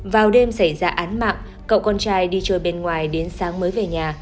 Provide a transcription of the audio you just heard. vào đêm xảy ra án mạng cậu con trai đi chơi bên ngoài đến sáng mới về nhà